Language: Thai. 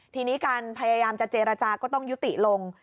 ทีนี้การพยายามจะเจรจาก็ต้องยุติลง